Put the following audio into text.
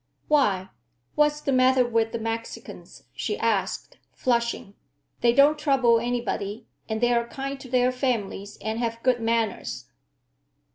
"Why, what's the matter with the Mexicans?" she asked, flushing. "They don't trouble anybody, and they are kind to their families and have good manners."